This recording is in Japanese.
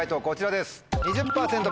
こちらです。